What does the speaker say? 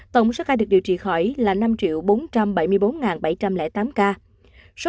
tổng số ca được điều trị khỏi là năm bốn trăm bảy mươi bốn bảy trăm linh tám ca